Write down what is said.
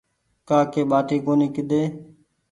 ڪآڪي ٻآٽي ڪونيٚ ڪيڌي